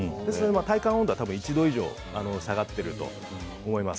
体感温度は１度以上下がっていると思います。